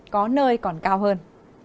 có nơi còn cao hơn